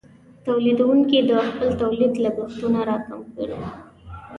تولیدونکې د خپل تولید لګښتونه راکم کړي.